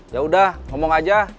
ya udah ngomong aja